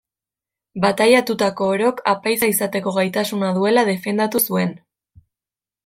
Bataiatutako orok apaiza izateko gaitasuna duela defendatu zuen.